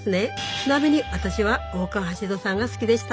ちなみに私は大川橋蔵さんが好きでした。